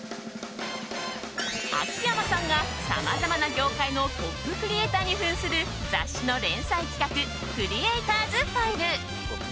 秋山さんがさまざまな業界のトップクリエーターに扮する雑誌の連載企画クリエイターズ・ファイル。